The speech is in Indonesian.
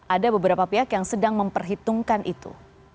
ada beberapa pihak yang sedang memperhitungkan itu